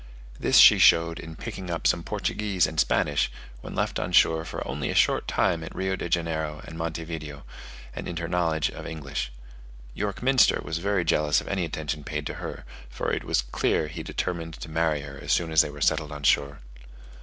This she showed in picking up some Portuguese and Spanish, when left on shore for only a short time at Rio de Janeiro and Monte Video, and in her knowledge of English. York Minster was very jealous of any attention paid to her; for it was clear he determined to marry her as soon as they were settled on shore.